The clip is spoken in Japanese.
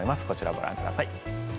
こちらをご覧ください。